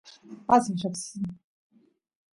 pasiaq lloqsini